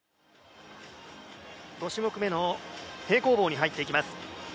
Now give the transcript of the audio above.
５種目めの平行棒に入っていきます。